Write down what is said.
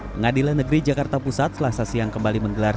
pengadilan negeri jakarta pusat selasa siang kembali menggelar